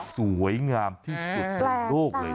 สวยงามที่สุดในโลกเลย